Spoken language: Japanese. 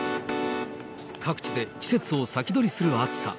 各地で季節を先取りする暑さ。